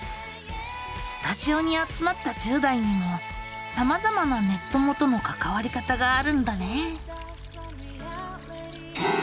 スタジオに集まった１０代にもさまざまなネッ友とのかかわり方があるんだね。